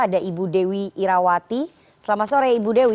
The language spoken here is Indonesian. ada ibu dewi irawati selamat sore ibu dewi